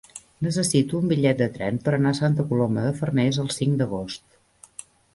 Necessito un bitllet de tren per anar a Santa Coloma de Farners el cinc d'agost.